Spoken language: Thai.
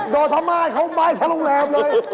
โดดธรรมาศเข้าอยุ่งแบบไข้ทะโรงแรมเลย